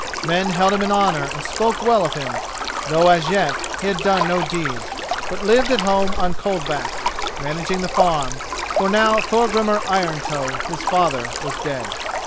Men held him in honour and spoke well of him, though as yet he had done no deeds, but lived at home on Coldback, managing the farm, for now Thorgrimur Iron Toe, his father, was dead.